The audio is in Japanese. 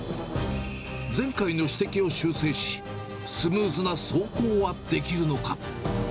前回の指摘を修正し、スムーズな走行はできるのか。